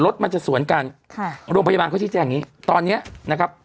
รถมันจะสวนกันค่ะโรงพยาบาลเขาชี้แจงอย่างงี้ตอนเนี้ยนะครับ